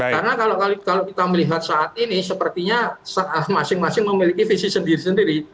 karena kalau kita melihat saat ini sepertinya masing masing memiliki visi sendiri sendiri